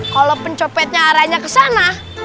kalo pencopetnya arahnya kesana